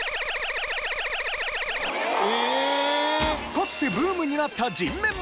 かつてブームになった人面○○。